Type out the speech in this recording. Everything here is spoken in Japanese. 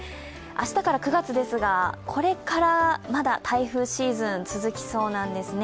明日から９月ですが、これからまだ台風シーズン続きそうなんです